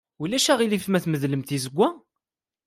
Ulac aɣilif ma tmedlem tizewwa?